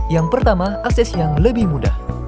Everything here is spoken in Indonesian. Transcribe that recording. yang pertama akses yang lebih mudah